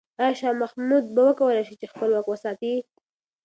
آیا شاه محمود به وکولای شي چې خپل واک وساتي؟